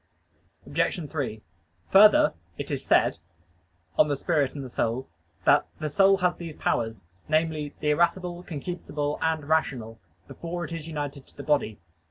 Obj. 3: Further, it is said (De Spiritu et Anima) that "the soul has these powers" namely, the irascible, concupiscible, and rational "before it is united to the body."